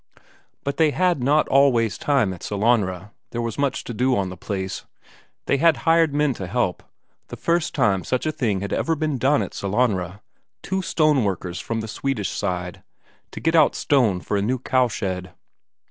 But they had not always time at Sellanraa, there was much to do on the place. They had hired men to help the first time such a thing had ever been done at Sellanraa two stoneworkers from the Swedish side, to get out stone for a new cowshed.